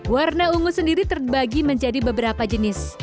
warna ungu sendiri terbagi menjadi beberapa jenis